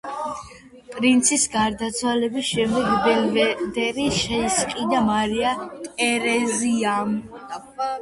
პრინცის გარდაცვალების შემდეგ ბელვედერი შეისყიდა მარია ტერეზიამ.